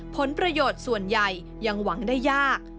ผลประโยชน์ส่วนใหญ่ยังหวังได้ยาก